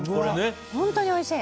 本当においしい。